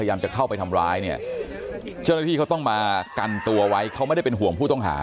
ถ้าเข้าไปทำร้ายเนี่ยเจ้าหน้าที่เขาต้องมากันตัวไว้เขาไม่ใช่ชอบผู้ต้องหา